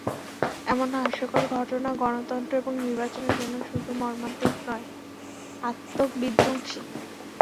এমন হাস্যকর ঘটনা গণতন্ত্র এবং নির্বাচনের জন্য শুধু মর্মান্তিক নয়, আত্মবিধ্বংসী।